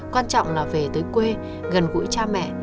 quan trọng là về tới quê gần gũi cha mẹ